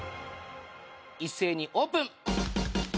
一斉にオープン！